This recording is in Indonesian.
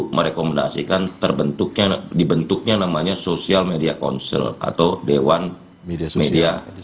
merekomendasikan dibentuknya namanya social media council atau dewan media